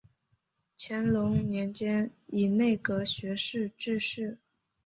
乾隆年间以内阁学士致仕。